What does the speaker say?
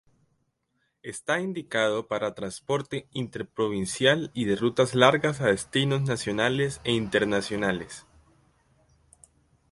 Está indicado para transporte interprovincial y de rutas largas a destinos nacionales e internacionales.